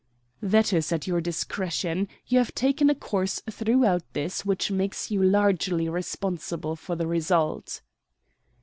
"That is at your discretion. You have taken a course throughout this which makes you largely responsible for the result."